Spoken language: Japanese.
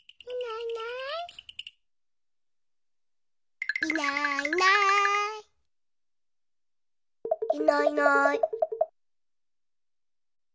いないいない。